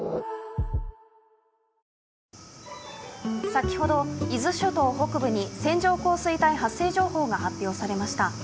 先ほど、伊豆諸島北部に線状降水帯発生情報が発表されました。